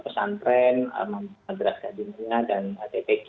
pesantren madras gajimina dan adpk